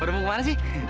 udah mau kemana sih